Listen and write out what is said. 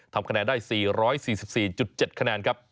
ทำคะแนนได้๔๔๗คะแนนครับ